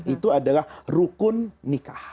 itu adalah rukun nikah